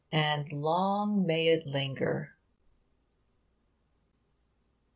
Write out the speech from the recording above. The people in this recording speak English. And long may it linger!